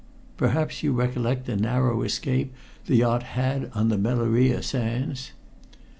Perhaps you recollect the narrow escape the yacht had on the Meloria sands?"